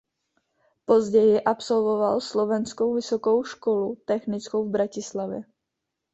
Později absolvoval Slovenskou vysokou školu technickou v Bratislavě.